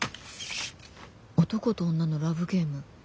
「男と女のラブゲーム」。